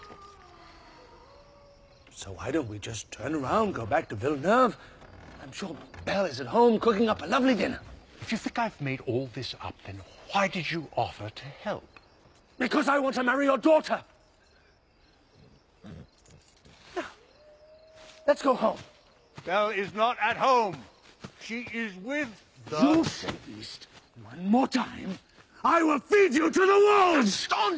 ガストン！